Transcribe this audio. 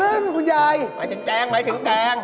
มีอะไรมั้ยคุณยายอหนึ่ง